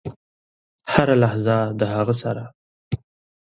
هره لحظه د هغه سره .